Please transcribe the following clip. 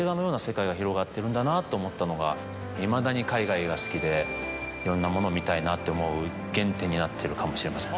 が広がってるんだなと思ったのがいまだに海外が好きでいろんなもの見たいなって思う原点になってるかもしれません。